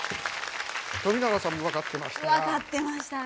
富永さんも分かってましたね。